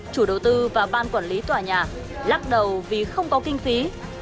chủ đầu tư và ban quản lý tòa nhà lắc đầu vì không có kinh phí